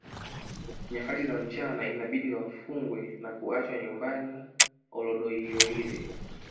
Nyakati za mchana inabidi wafungwe na kuachwa nyumbani Olodoyiorie